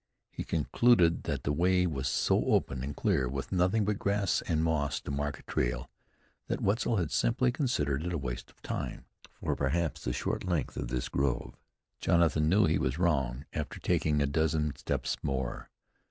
He concluded that the way was so open and clear, with nothing but grass and moss to mark a trail, that Wetzel had simply considered it waste of time for, perhaps, the short length of this grove. Jonathan knew he was wrong after taking a dozen steps more.